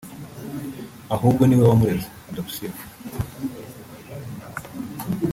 ahubwo ni we wamureze [adoption]